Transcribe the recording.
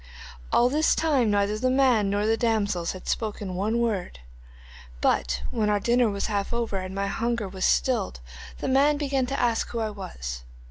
'All this time neither the man nor the damsels had spoken one word, but when our dinner was half over, and my hunger was stilled, the man began to ask who I was.